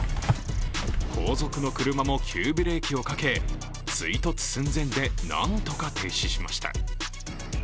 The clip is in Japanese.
後続の車も急ブレーキをかけ、追突寸前でなんとか停止しました。